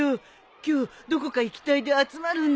今日どこか行き隊で集まるんだ。